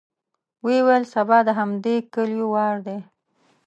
ويې ويل: سبا د همدې کليو وار دی.